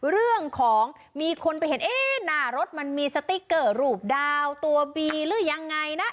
เรื่องของมีคนไปเห็นเอ๊ะหน้ารถมันมีสติ๊กเกอร์รูปดาวตัวบีหรือยังไงนะ